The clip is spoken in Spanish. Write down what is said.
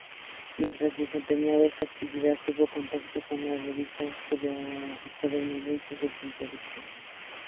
Mientras desempeñaba esta actividad tuvo contacto con las revistas estadounidenses de ciencia ficción.